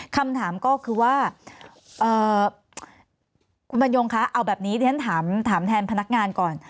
คำถามก็คือว่าคุณบรรยงคะเอาแบบนี้เรียนถามแทนพนักงานก่อน